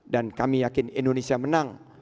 dan kami yakin indonesia menang